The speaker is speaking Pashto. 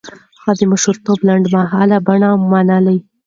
هغه د مشرتابه لنډمهاله بڼه منله.